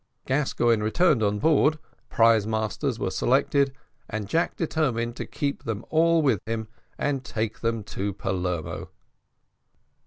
Gascoigne returned on board, prize masters were selected, and Jack determined to keep them all with him, and take them to Palermo.